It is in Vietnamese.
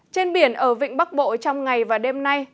trên biển ở vịnh bắc bộ trong ngày và đêm nay